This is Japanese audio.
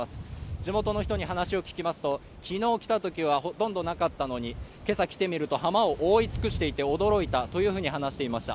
地元の人に話を聞きますと昨日来た時はほとんどなかったのに今朝来てみると浜を覆い尽くしていて驚いたというふうに話していました